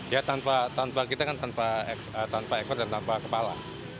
ya tanpa kita kan tanpa ekor dan tanpa kepala